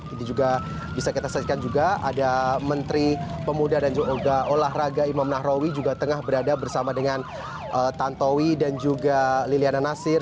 ini juga bisa kita saksikan juga ada menteri pemuda dan juga olahraga imam nahrawi juga tengah berada bersama dengan tantowi dan juga liliana nasir